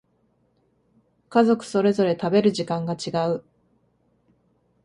家族それぞれ食べる時間が違う